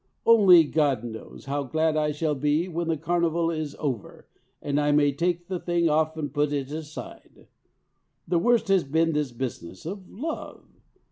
Only, God knows, how glad I shall be when the Carnival is over, and I may take the thing off and put it aside. The worst has been this business of love.